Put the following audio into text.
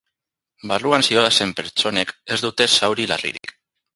Barruan zihoazen pertsonek ez dute zauri larririk.